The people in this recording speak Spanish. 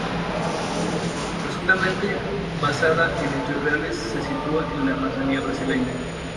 Presuntamente basada en hechos reales, se sitúa en la amazonia brasileña.